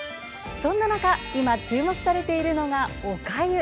そんな中、今注目されているのがおかゆ。